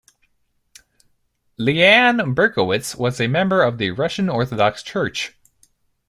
Liane Berkowitz was a member of the Russian Orthodox Church.